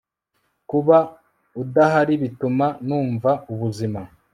kuba udahari bituma numva ubuzima